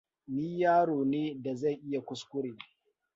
Ni yaro ne da zai iya kuskure.